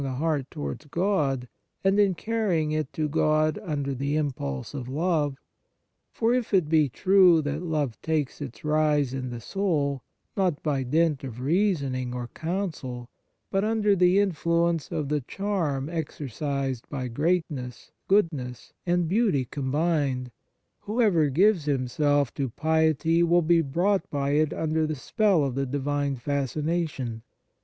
113 h On Piety heart towards God, and in carrying it to God under the impulse of love ; for, if it be true that love takes its rise in the soul, not by dint of reason ing or counsel, but under the influence of the charm exercised by greatness, goodness, and beauty combined, who ever gives himself to piety will be brought by it under the spell of the divine fascination.